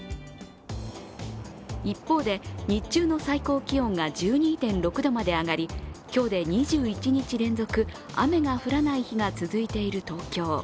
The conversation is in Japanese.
一方で日中の最高気温が１２．６度まで上がり今日で２１日連続、雨が降らない日が続いている東京。